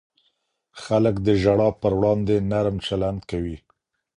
خلک د ژړا پر وړاندې نرم چلند کوي.